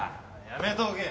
やめとけ。